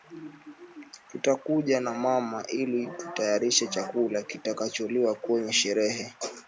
Tutakuja na mama ili tutayarishe chakula kitakacholiwa kwenye sherehee.